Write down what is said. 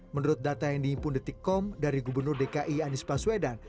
menurut data yang dihimpun detikkom dari gubernur dki anies baswedan